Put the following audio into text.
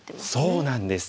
そうなんです。